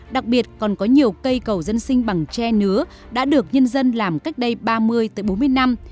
đặc biệt còn có nhiều cây cầu dân sinh bằng tre nứa đã được nhân dân làm cách đây ba mươi bốn mươi năm